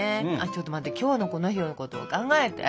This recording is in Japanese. ちょっと待って今日のこの日のことを考えて。